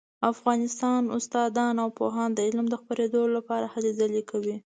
افغان استادان او پوهان د علم د خپریدو لپاره هلې ځلې کوي